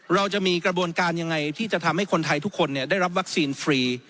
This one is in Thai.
เราจะมีกระบวนการยังไงที่จะทำให้คนไทยทุกคนได้รับวัคซีนฟรี